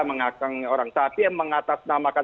mengatasi orang tapi mengatasnamakan